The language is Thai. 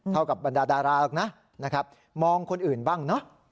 เท่ากับบรรดาดาราบอกนะมองคนอื่นบ้าง